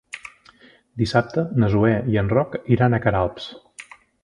Dissabte na Zoè i en Roc iran a Queralbs.